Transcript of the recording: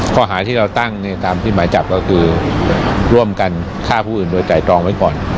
ข้อหาที่เราตั้งตามที่หมายจับก็คือร่วมกันฆ่าผู้อื่นโดยไตรตรองไว้ก่อน